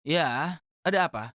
ya ada apa